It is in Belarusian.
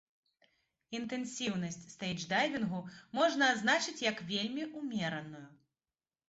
Інтэнсіўнасць стэйдждайвінгу можна азначыць як вельмі умераную.